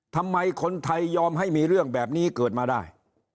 ทำไมคนไทยยอมให้มีเรื่องแบบนี้เกิดมาได้